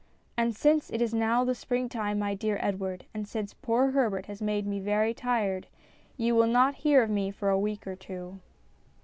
And since it is now the springtime, my dear Edward, and since poor Herbert has made me very tired, you will not hear of me for a week or two.